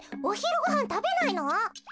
おひるごはんたべないの？